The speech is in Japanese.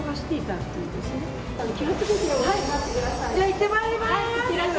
行ってまいります！